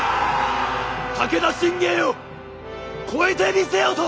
武田信玄を超えてみせよと！